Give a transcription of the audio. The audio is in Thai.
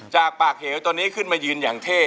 จากปากเหวตัวนี้ขึ้นมายืนอย่างเท่